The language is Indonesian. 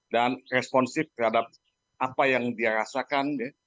dan responsif terhadap apa yang dirasakan